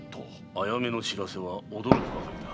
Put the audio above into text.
あやめの知らせは驚くばかりだ。